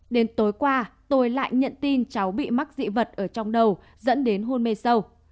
đến tối qua tôi lại nhận tin cháu bị mắc dị vật ở trong đầu dẫn đến hôn mê sâu